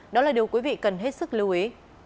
đó là điều quý vị cần hết sức lưu ý